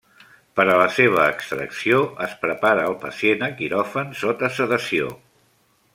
Per a la seva extracció es prepara al pacient a quiròfan sota sedació.